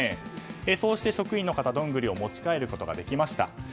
そうして職員の方、どんぐりを持ち帰ることができました。